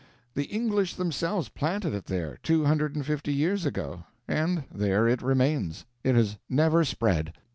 The English themselves planted it there, two hundred and fifty years ago, and there it remains; it has never spread.